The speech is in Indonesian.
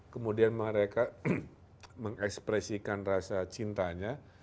kemudian mereka mengekspresikan rasa cintanya